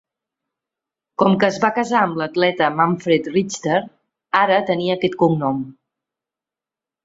Com que es va casar amb l'atleta Manfred Richter, ara tenia aquest cognom.